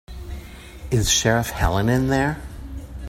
Is Sheriff Helen in there?